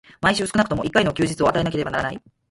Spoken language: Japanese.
毎週少くとも一回の休日を与えなければならない。